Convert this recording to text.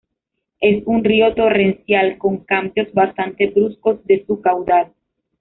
Es un río torrencial, con cambios bastantes bruscos de su caudal.